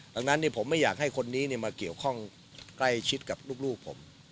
ดังนั้นผมไม่อยากให้คนนี้มาเกี่ยวข้องใกล้ชิดกับลูกผม